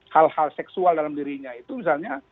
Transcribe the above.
hal hal seksual dalam dirinya itu misalnya